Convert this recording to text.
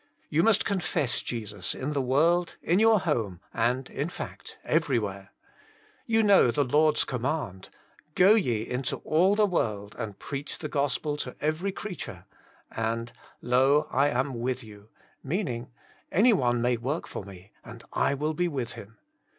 You must confess Jesus in the world, in your home; and in fact everywhere. You know the Lord's command, *' Go ye into all the world, and preach the Gospel to every creat ure ;"*' and, lo, I am with you, " mean ing, «' Any one may work for Me, and I will be with him."